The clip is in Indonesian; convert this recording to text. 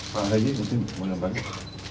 pak haji mungkin mau tambah